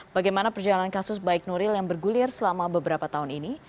bagaimana perjalanan kasus baik nuril yang bergulir selama beberapa tahun ini